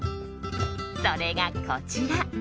それが、こちら。